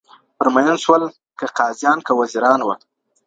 پر مین سول که قاضیان که وزیران وه.